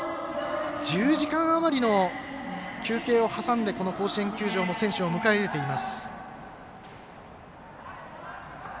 １０時間あまりの休憩を挟んでこの甲子園球場も選手を迎え入れています。